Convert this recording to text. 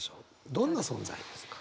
どんな存在ですか？